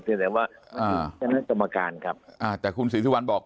แต่หมายถึงเราเป็นเครื่องเรือนรุ่นการคุณศิษฐุวันบอก